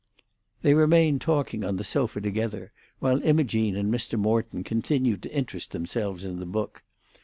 They remained talking on the sofa together, while Imogene and Mr. Morton continued to interest themselves in the book.